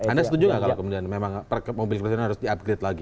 anda setuju nggak kalau kemudian memang mobil presiden harus di upgrade lagi